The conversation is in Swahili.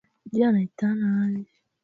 ngamoto inayo tukabili kwa sasa